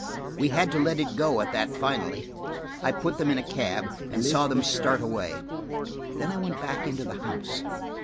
We had to let it go at that finally. I put them in a cab, and saw them start away: then I went back into the house.